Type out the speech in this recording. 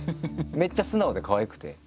めっちゃ素直でかわいくて。